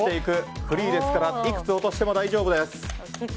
フリーですからいくつ落としても大丈夫です。